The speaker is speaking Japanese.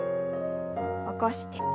起こして。